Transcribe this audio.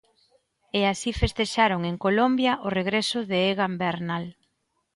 E así festexaron en Colombia o regreso de Egan Bernal.